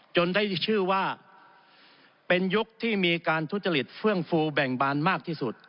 ได้ชื่อว่าเป็นยุคที่มีการทุจริตเฟื่องฟูแบ่งบานมากที่สุด